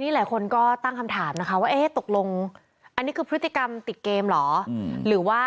นี่หลายคนก็ตั้งคำถามนะคะว่าเอ๊ะตกลงอันนี้คือพฤติกรรมติดเกมเหรอหรือว่า